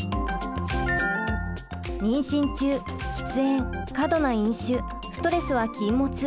妊娠中「喫煙」「過度な飲酒」「ストレス」は禁物。